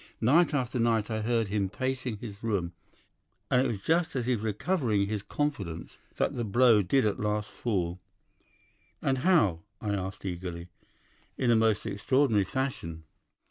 Night after night I heard him pacing his room, and it was just as he was recovering his confidence that the blow did at last fall. "'And how?' I asked eagerly. "'In a most extraordinary fashion.